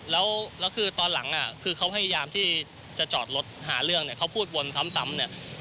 แล้วคือตอนหลังคือเขาพยายามที่จะจอดรถหาเรื่องเนี่ยเขาพูดวนซ้ำเนี่ย